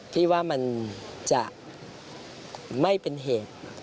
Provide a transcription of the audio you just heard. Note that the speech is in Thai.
พี่ว่ามันจะไม่เป็นเหตุ